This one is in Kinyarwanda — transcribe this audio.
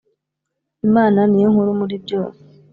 Imana niyonkuru muri byose.